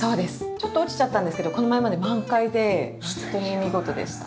ちょっと落ちちゃったんですけどこの前まで満開でホントに見事でしたね。